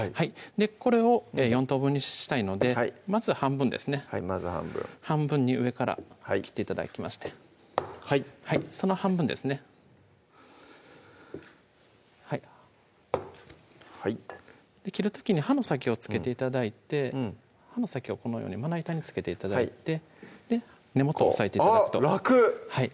これを４等分にしたいのでまず半分ですねまず半分半分に上から切って頂きましてはいその半分ですねはいはい切る時に刃の先を付けて頂いて刃の先をこのようにまな板に付けて頂いて根元を押さえて頂くとあっ楽！